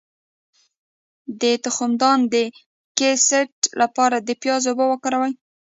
د تخمدان د کیست لپاره د پیاز اوبه وکاروئ